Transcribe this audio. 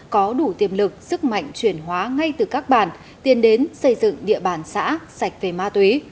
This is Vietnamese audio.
có đủ tiềm lực sức mạnh chuyển hóa ngay từ các bản tiến đến xây dựng địa bàn xã sạch về ma túy